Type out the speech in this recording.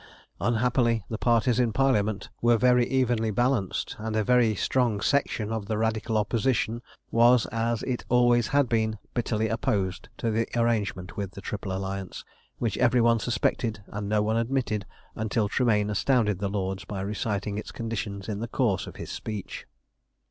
Unhappily the parties in Parliament were very evenly balanced, and a very strong section of the Radical Opposition was, as it always had been, bitterly opposed to the arrangement with the Triple Alliance, which every one suspected and no one admitted until Tremayne astounded the Lords by reciting its conditions in the course of his speech.